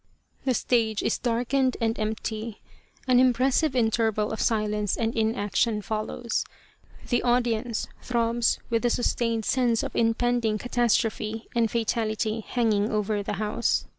The stage is darkened and empty. An impressive interval of silence and inaction follows. The audience throbs with the sustained sense of impending catas trophe and fatality hanging over the house.